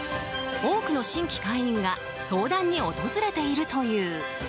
多くの新規会員が相談に訪れているという。